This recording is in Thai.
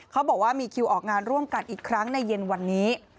เขาบอกว่ามีคิวออกงานร่วมกันอีกครั้งในเย็นวันนี้